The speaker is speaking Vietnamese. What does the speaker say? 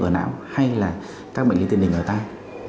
ở não hay là các bệnh lý tiền đình ở tai